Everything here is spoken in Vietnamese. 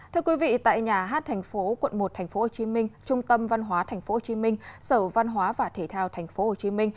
thưa quý vị tại nhà hát thành phố quận một tp hcm trung tâm văn hóa tp hcm sở văn hóa và thể thao tp hcm